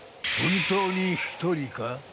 本当に一人か？